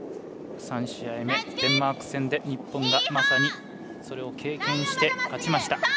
３試合目、デンマーク戦で日本がまさにそれを経験して、勝ちました。